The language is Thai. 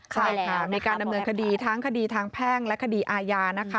ใช่ค่ะมีการดำเนินคดีทั้งคดีทางแพ่งและคดีอาญานะคะ